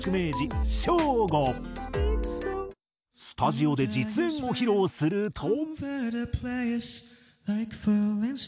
スタジオで実演を披露すると。